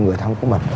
người thân của mình